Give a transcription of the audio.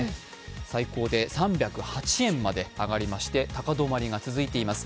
最高で３０８円まで上がりまして高止まりが続いています。